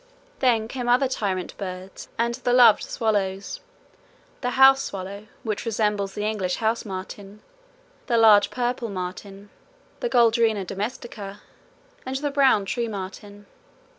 Then came other tyrant birds and the loved swallows the house swallow, which resembles the English house martin, the large purple martin, the Golodrina domestica, and the brown tree martin.